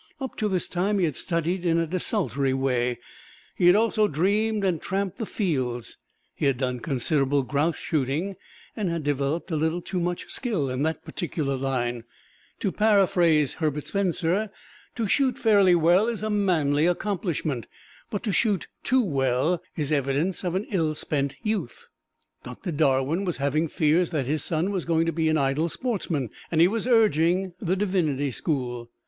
Up to this time he had studied in a desultory way; he had also dreamed and tramped the fields. He had done considerable grouse shooting and had developed a little too much skill in that particular line. To paraphrase Herbert Spencer, to shoot fairly well is a manly accomplishment, but to shoot too well is evidence of an ill spent youth. Doctor Darwin was having fears that his son was going to be an idle sportsman, and he was urging the divinity school.